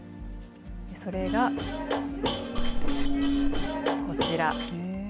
それが、こちら。